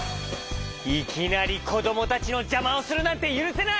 いきなりこどもたちのじゃまをするなんてゆるせない！